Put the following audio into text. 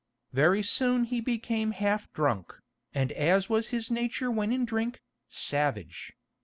Very soon he became half drunk, and as was his nature when in drink, savage.